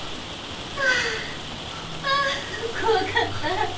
ハァあ怖かった。